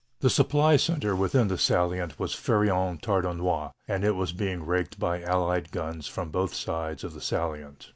The supply centre within the salient was Fère en Tardenois, and it was being raked by Allied guns from both sides of the salient.